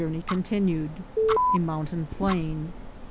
Journey continued. — A Mountain Plain.